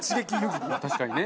確かにね。